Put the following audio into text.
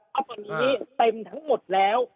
เพราะตอนนี้เต็มทั้งหมดแล้ว